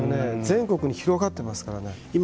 全国に広がっていますからね。